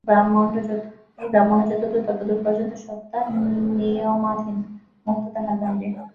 এই ব্রহ্মাণ্ড যতদূর, ততদূর পর্যন্ত সত্তা নিয়মাধীন, মুক্তি তাহার বাহিরে।